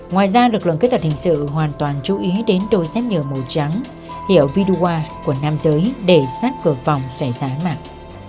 ngoài ra lực lượng kết thật hình sự hoàn toàn chú ý đến đôi xép nhờ màu trắng hiệu vidoir của nam giới để sát cửa phòng xảy ra mạng